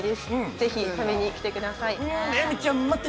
ぜひ食べに来てください。